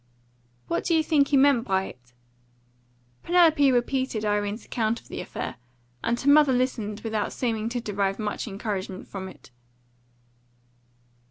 "What do you think he meant by it?" Penelope repeated Irene's account of the affair, and her mother listened without seeming to derive much encouragement from it.